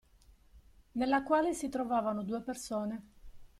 Nella quale si trovavano due persone.